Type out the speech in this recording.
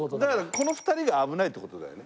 この２人が危ないって事だよね？